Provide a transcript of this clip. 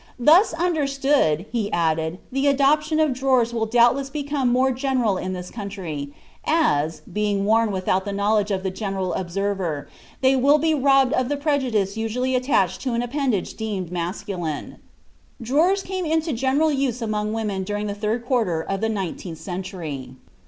"Thus understood," he added, "the adoption of drawers will doubtless become more general in this country, as, being worn without the knowledge of the general observer, they will be robbed of the prejudice usually attached to an appendage deemed masculine." (Tilt, Elements of Health, 1852, p. 193.) Drawers came into general use among women during the third quarter of the nineteenth century.